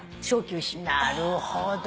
なるほどね。